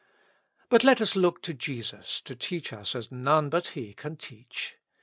But let us look to Jesus to teach us as none but He can teach.